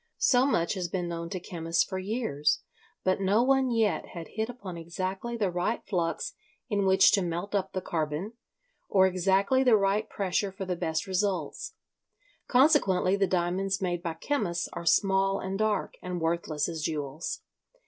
So much has been known to chemists for years, but no one yet had hit upon exactly the right flux in which to melt up the carbon, or exactly the right pressure for the best results. Consequently the diamonds made by chemists are small and dark, and worthless as jewels.